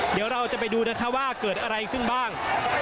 เดี๋ยวเราจะไปดูนะคะว่าเกิดอะไรขึ้นบ้าง